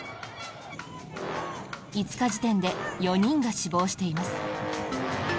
５日時点で４人が死亡しています。